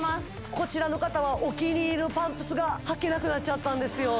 こちらの方はお気に入りのパンプスが履けなくなっちゃったんですよ